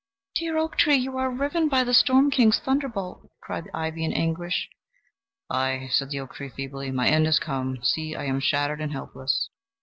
"Dear oak tree, you are riven by the storm king's thunderbolt!" cried the ivy, in anguish. "Ay," said the oak tree, feebly, "my end has come; see, I am shattered and helpless."